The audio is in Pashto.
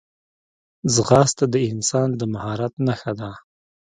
ځغاسته د انسان د مهارت نښه ده